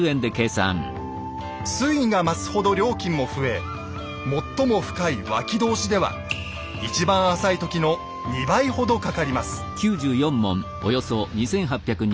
水位が増すほど料金も増え最も深い「脇通」では一番浅い時の２倍ほどかかります。